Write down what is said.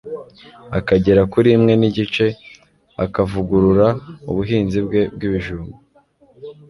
akagera kuri imwe n'igice, akavugurura ubuhinzi bwe bw'ibijumb